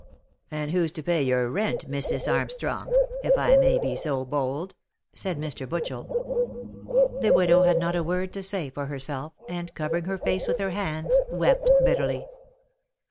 " And who's to pay your rent, Missis Armstrong ? if I may be so bold," said Mr. Butchel. The widow had not a word to say for herself, and, covering her face with her hands, wept bitterly.